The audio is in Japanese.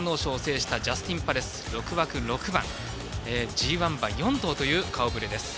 ＧＩ馬４頭という顔ぶれです。